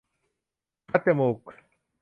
คัดจมูก